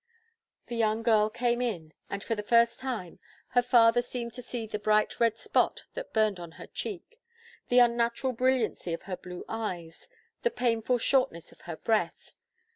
The young girl came in; and, for the first time, her father seemed to see the bright red spot that burned on her cheek, the unnatural brilliancy of her blue eyes, the painful shortness of her breath.